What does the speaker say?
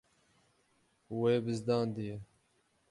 Wê bizdandiye.